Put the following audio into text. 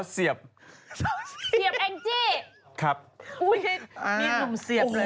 เสียบแองจี้ครับอุ้ยมีหนุ่มเสียบเลย